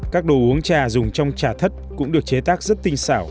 các đồ uống trà dùng trong trà thất cũng được chế tác rất tinh xảo